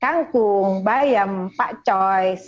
karena bukan perusahaan penjaja